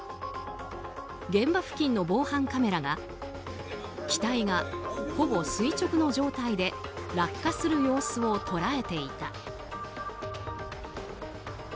現場付近の防犯カメラが機体がほぼ垂直の状態で落下する様子を捉えていた。